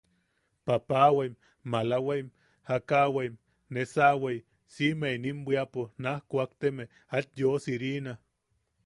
Papawaim, malawai, jakawai, neʼesawai, siʼime inim bwiapo naj kuakteme aet yosirina.